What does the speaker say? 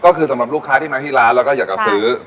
ก็คือสำหรับลูกค้าที่มาที่ร้านแล้วก็อยากจะซื้อ